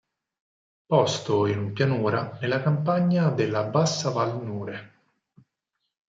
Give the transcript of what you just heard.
Posto in pianura nella campagna della bassa val Nure.